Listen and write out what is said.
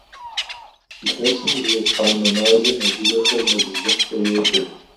Илъэсым и еплӀанэ мазэм адыгэхэр мэлыжьыхькӀэ йоджэ.